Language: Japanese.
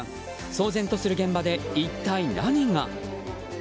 騒然とする現場で一体、何が。